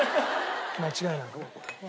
間違いなく。